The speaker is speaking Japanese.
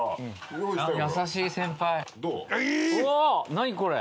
何これ？